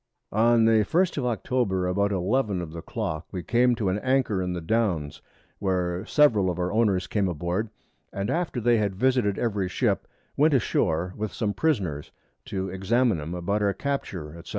On the 1st of October, about 11 of the Clock we came to an Anchor in the Downs, where several of our Owners came aboard, and after they had visited every Ship, went a shoar with some Prisoners to examine 'em about our Capture, &c.